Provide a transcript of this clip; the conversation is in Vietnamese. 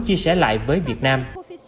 chia sẻ lại với việt nam